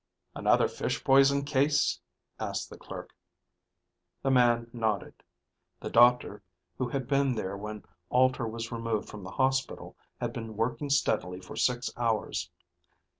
"Another fish poison case?" asked the clerk. The man nodded. The doctor, who had been there when Alter was removed from the hospital, had been working steadily for six hours.